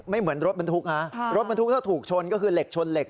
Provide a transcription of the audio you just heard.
เหมือนรถบรรทุกนะรถบรรทุกถ้าถูกชนก็คือเหล็กชนเหล็ก